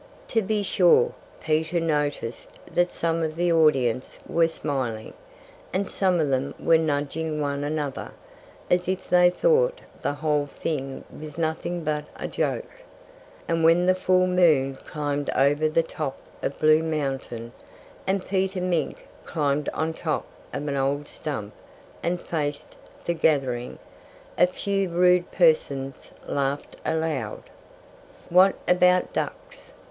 To be sure, Peter noticed that some of the audience were smiling; and some of them were nudging one another, as if they thought the whole thing was nothing but a joke. And when the full moon climbed over the top of Blue Mountain, and Peter Mink climbed on top of an old stump and faced the gathering, a few rude persons laughed aloud. "What about ducks?"